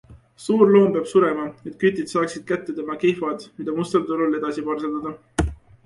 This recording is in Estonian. Suur loom peab surema, et kütid saaksid kätte tema kihvad, mida mustal turul edasi parseldada.